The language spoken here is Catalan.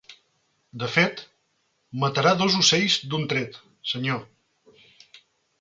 De fet, matarà dos ocells d'un tret, senyor.